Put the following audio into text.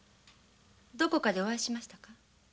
どこかでお会いしましたでしょうか？